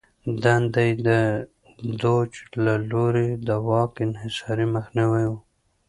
دنده یې د دوج له لوري د واک انحصار مخنیوی و